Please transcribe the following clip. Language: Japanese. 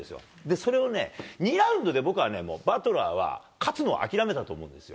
それをね、２ラウンドで、バトラーは勝つのは諦めたと思うんですよ。